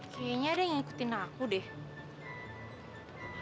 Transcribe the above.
kayaknya ada yang ngikutin aku deh